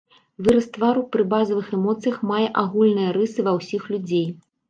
Выраз твару пры базавых эмоцыях мае агульныя рысы ва ўсіх людзей.